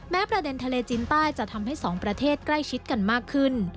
ประเด็นทะเลจีนใต้จะทำให้สองประเทศใกล้ชิดกันมากขึ้น